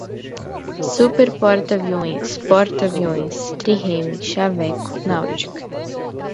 Superporta-aviões, porta-aviões, trirreme, xaveco, náutica